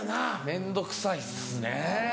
面倒くさいっすね。